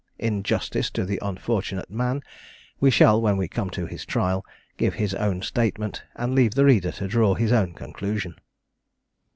In justice to the unfortunate man, we shall, when we come to his trial, give his own statement, and leave the reader to draw his own conclusion.